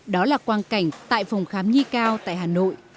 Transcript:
đó là quan cảnh tại phòng khám nhi cao tại hà nội